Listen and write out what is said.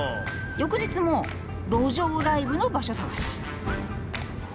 翌日も路上ライブの場所探し。